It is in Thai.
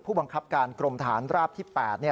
ผู้บังคับการกรมฐานราบที่๘